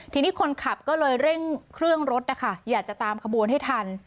ทีนี้คนขับก็เลยเร่งเครื่องรถนะคะอยากจะตามขบวนให้ทัน